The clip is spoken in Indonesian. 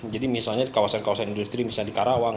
jadi misalnya di kawasan kawasan industri misalnya di karawang